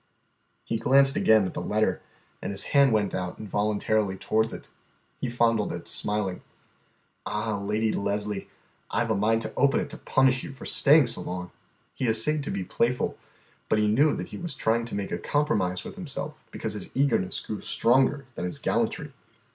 He glanced again at the letter, and his hand went out involuntarily towards it. He fondled it, smiling. "Ah, Lady Leslie, I 've a mind to open it to punish you for staying so long." He essayed to be playful, but he knew that he was trying to make a compromise with himself because his eagerness grew stronger than his gallantry.